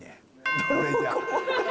これじゃ。